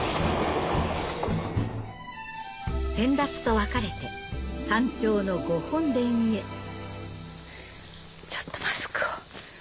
先達と別れて山頂のご本殿へちょっとマスクを。